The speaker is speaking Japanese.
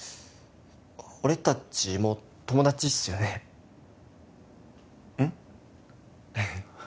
俺達もう友達っすよねうん？